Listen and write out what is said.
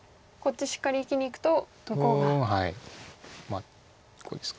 まあこうですか。